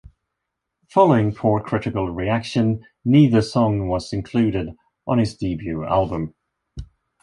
Following poor critical reaction, neither song was included on his debut album.